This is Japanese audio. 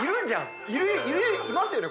いますよね